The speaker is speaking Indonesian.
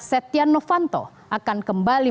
zt novanto akan kembali